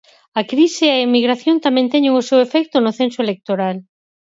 A crise e a emigración tamén teñen o seu efecto no censo electoral.